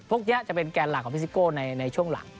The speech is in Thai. พวกนี้จะเป็นแกนหลักของพี่ซิโก้ในช่วงหลัง